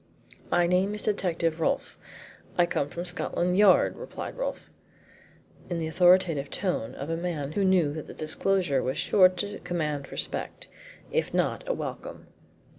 "My name is Detective Rolfe I come from Scotland Yard," replied Rolfe, in the authoritative tone of a man who knew that the disclosure was sure to command respect, if not a welcome.